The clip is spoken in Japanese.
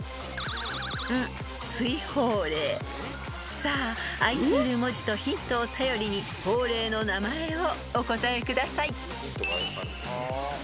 ［さああいている文字とヒントを頼りに法令の名前をお答えください］